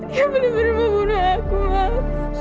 dia bener bener membunuh aku mas